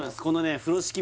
このね